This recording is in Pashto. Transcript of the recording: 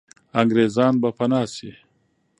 انګریزان به پنا سي.